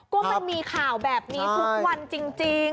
ก็มันมีข่าวแบบนี้ทุกวันจริง